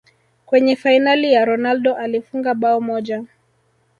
kwenye fainali ya ronaldo alifunga bao moja